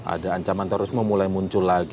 ada ancaman terorisme mulai muncul lagi